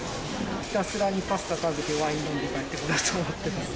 ひたすらにパスタ食べて、ワイン飲んで帰ってこようと思ってます。